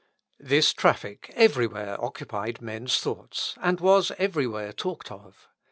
This traffic everywhere occupied men's thoughts, and was everywhere talked of.